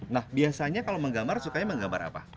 nah biasanya kalau menggambar sukanya menggambar apa